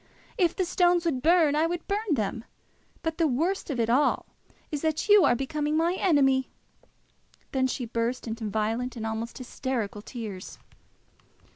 If the stones would burn, I would burn them. But the worst of it all is, that you are becoming my enemy!" Then she burst into violent and almost hysteric tears.